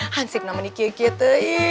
hancurin nama di kia kia teh